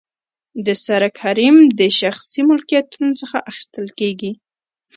د سرک حریم د شخصي ملکیتونو څخه اخیستل کیږي